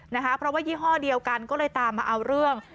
เพราะว่ายี่ห้อเดียวกันก็เลยตามมาเอาเรื่อง